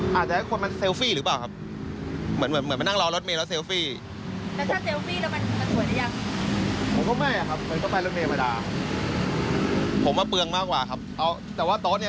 แล้วไอ้ฉากนี้พี่ว่าเขาตั้งใจจะแบบให้ทำอะไรฉากนี้